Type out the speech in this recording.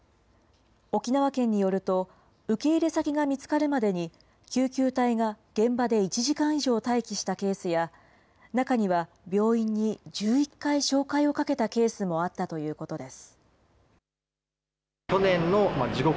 沖縄県によると、受け入れ先が見つかるまでに、救急隊が現場で１時間以上待機したケースや、中には病院に１１回照会をかけたケースもあったということです。